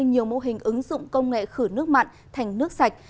nhiều mô hình ứng dụng công nghệ khử nước mặn thành nước sạch